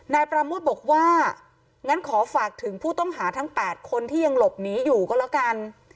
นายปราโมทบอกว่างั้นขอฝากถึงผู้ต้องหาทั้ง๘คนที่ยังหลบหนีอยู่ก็แล้วกัน